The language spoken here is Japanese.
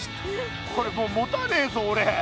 これもうもたなねえぞおれ！